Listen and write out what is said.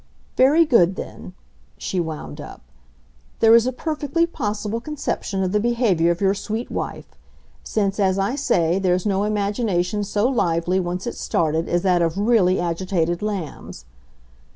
Very good then," she wound up; "there is a perfectly possible conception of the behaviour of your sweet wife; since, as I say, there's no imagination so lively, once it's started, as that of really agitated lambs.